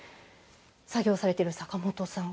作業されている坂本さん